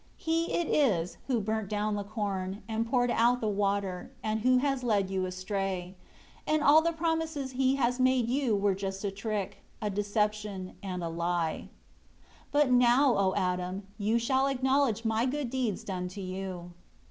He it is, who burnt down the corn, and poured out the water, and who has led you astray; and all the promises he has made you were just a trick, a deception, and a lie. 6 But now, O Adam, you shall acknowledge My good deeds done to you."